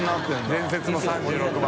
伝説の３６番。